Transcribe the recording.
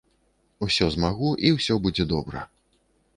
Усё змагу і будзе ўсё добра.